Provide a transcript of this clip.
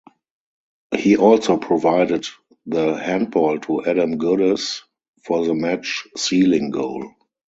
He also provided the handball to Adam Goodes for the match sealing goal.